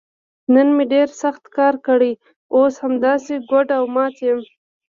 نن مې ډېر سخت کارونه کړي، اوس همداسې ګوډ او مات یم.